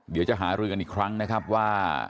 เดี๋ยวจะหารือกันอีกครั้งนะครับว่า